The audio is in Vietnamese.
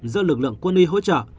do lực lượng quân y hỗ trợ